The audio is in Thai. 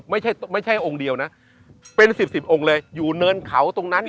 ไม่ใช่ไม่ใช่องค์เดียวนะเป็นสิบสิบองค์เลยอยู่เนินเขาตรงนั้น